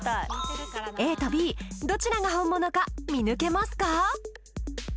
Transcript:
ＡとＢどちらが本物か見抜けますか？